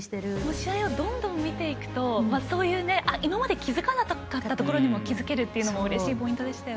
試合をどんどん見ていくとそういう今まで気付かなかったところに気付けるのもうれしいポイントでしたよね。